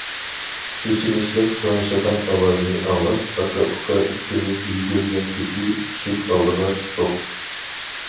ئېچىنىشلىق غىڭشىغان ئاۋازنى ئاڭلاپ، ئاكا- ئۇكا ئىككىمىز يۈگۈرگەن پېتى ئىشىك ئالدىغا چىقتۇق.